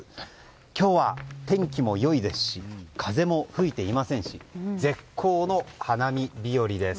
今日は天気も良いですし風も吹いていませんし絶好の花見日和です。